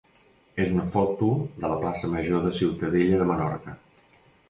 és una foto de la plaça major de Ciutadella de Menorca.